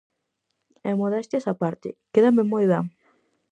E modestias á parte, quédame moi ben.